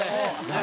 「何？」